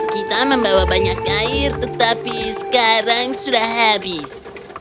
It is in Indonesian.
kita membawa banyak air tetapi sekarang sudah habis